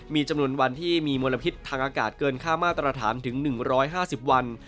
มีจำนวนวันที่มีมลพิษทางอากาศเกินค่ามาตรฐานถึง๑๕๐วัน